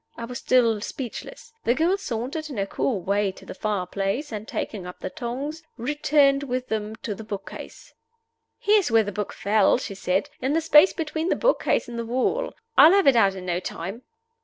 I was still speechless. The girl sauntered in her cool way to the fire place, and, taking up the tongs, returned with them to the book case. "Here's where the book fell," she said "in the space between the book case and the wall. I'll have it out in no time."